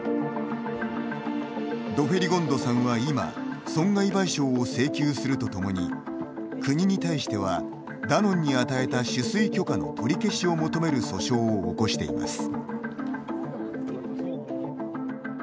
ドフェリゴンドさんは今、損害賠償を請求するとともに国に対しては、ダノンに与えた取水許可の取り消しを求める訴訟を起こしています。